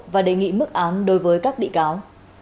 và đề nghị mức án đối với các bị cáo